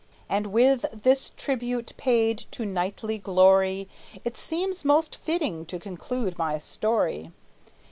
And with this tribute paid to knightly glory It seems most fitting to conclude my story.